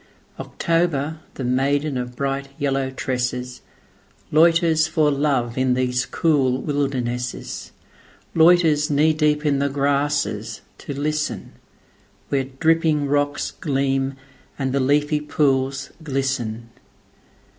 October, the maiden of bright yellow tresses, Loiters for love in these cool wildernesses:Loiters knee deep in the grasses to listen, Where dripping rocks gleam and the leafy pools glisten.